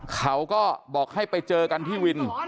เขาก็บอกให้ไปเจอกันที่วิน